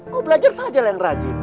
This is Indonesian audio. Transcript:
kau belajar saja yang rajin